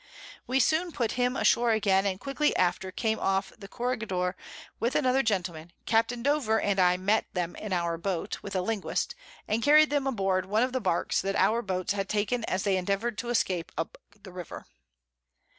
We soon put him ashore again, and quickly after came off the Corregidore with another Gentleman. Capt. Dover and I met them in our Boat, with a Linguist, and carried them aboard one of the Barks that our Boats had taken as they endeavour'd to escape up the River.